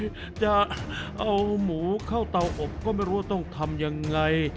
จะเอาหมูเข้าเตาอบก็ไม่รู้ว่าต้องทำยังไง